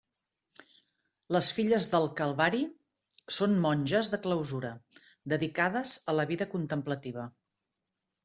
Les Filles del Calvari són monges de clausura, dedicades a la vida contemplativa.